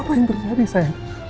apa yang terjadi sayang